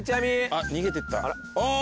あっ逃げてったおい！